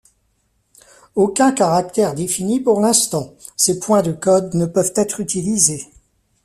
Aucun caractère défini pour l’instant, ces points de codes ne peuvent être utilisés.